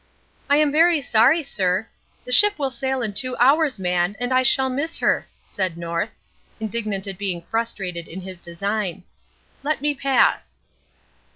"I am very sorry, sir " "The ship will sail in two hours, man, and I shall miss her," said North, indignant at being frustrated in his design. "Let me pass."